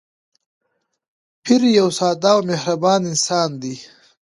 پییر یو ساده او مهربان انسان دی.